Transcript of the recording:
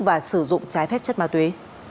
và sử dụng trái phép chất ma túy